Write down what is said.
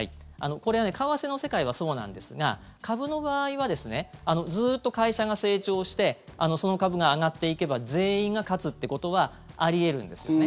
これは為替の世界はそうなんですが株の場合はずっと会社が成長してその株が上がっていけば全員が勝つってことはあり得るんですよね。